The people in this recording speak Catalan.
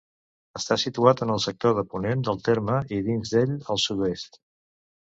Està situat en el sector de ponent del terme, i dins d'ell, al sud-oest.